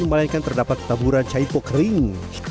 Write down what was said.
melainkan terdapat taburan caipo kering